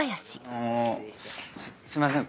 あのすいません